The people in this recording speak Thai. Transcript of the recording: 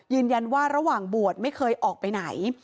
ยืนยันว่าระหว่างบวชไม่เคยออกไปไหน